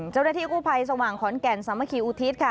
เจ้าหน้าที่กู้ภัยสว่างขอนแก่นสามัคคีอุทิศค่ะ